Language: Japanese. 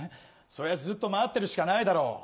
ずっと待ってるしかないだろ。